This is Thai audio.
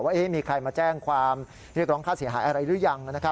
ว่ามีใครมาแจ้งความเรียกร้องค่าเสียหายอะไรหรือยัง